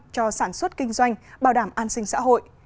cho sản xuất kinh doanh bảo đảm an sinh xã hội